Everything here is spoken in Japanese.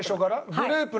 グレープ？